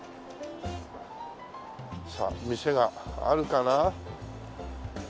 さあ店があるかな？